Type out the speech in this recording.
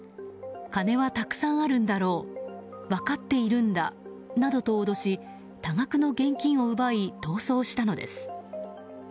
金はたくさんあるんだろう分かっているんだなどと脅し多額の現金を奪い逃走したのです。